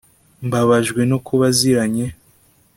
mbabajwe no kuba aziranye